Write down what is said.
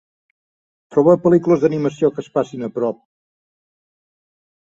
Troba pel·lícules d'animació que es passin a prop.